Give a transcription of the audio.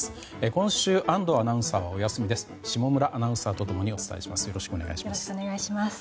今週、安藤アナウンサーはお休みです。